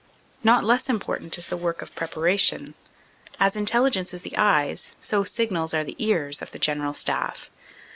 Not less important is the work of prepara tion. As Intelligence is the eyes, so Signals are the ears of the General Staff.